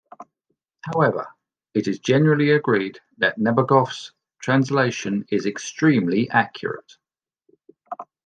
However, it is generally agreed that Nabokov's translation is extremely accurate.